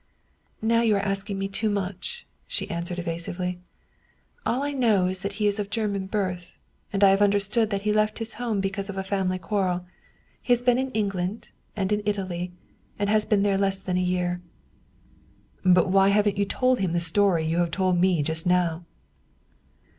" Now you are asking me too much," she answered evasively. " All I know is that he is of German birth, and I have understood that he left his home because of a family quarrel. He has been in England and in Italy, and has been here less than a year." " But why haven't you told him the story you have told me just now?"